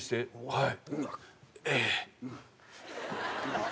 「はい」